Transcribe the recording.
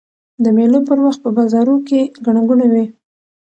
د مېلو پر وخت په بازارو کښي ګڼه ګوڼه يي.